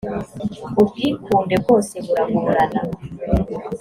ubwikunde bwose buragorana.